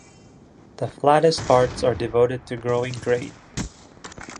The flattest parts are devoted to growing grain.